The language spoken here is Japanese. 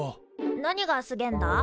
何がすげえんだ？